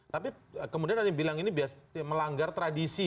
tapi kemudian ada yang bilang ini melanggar tradisi